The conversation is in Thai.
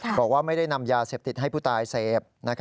บอกว่าไม่ได้นำยาเสพติดให้ผู้ตายเสพ